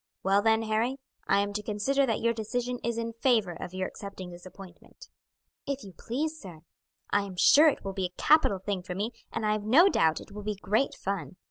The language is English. Well, then, Harry, I am to consider that your decision is in favour of your accepting this appointment." "If you please, sir. I am sure it will be a capital thing for me, and I have no doubt it will be great fun.